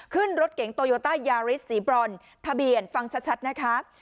ขึ้นรถเก๋งโตโยต้ายาริสสีบรอนทะเบียนฟังชัดนะคะ